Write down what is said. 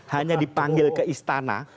hanya dipanggil ke istana